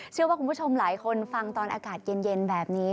เชื่อว่าคุณผู้ชมหลายคนฟังตอนอากาศเย็นแบบนี้